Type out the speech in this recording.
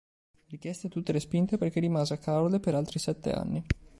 Richieste tutte respinte perché rimase a Caorle per altri sette anni.